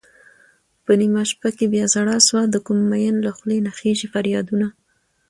په نېمه شپه کې بياژړا سوه دکوم مين له خولې نه خيژي فريادونه